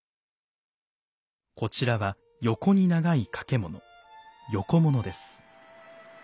こちらは横に長い掛物横物です。